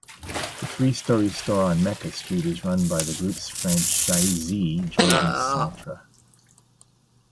The three-storey store on Mecca Street is run by the group's franchisee Jordan Centre.